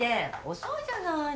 遅いじゃないの。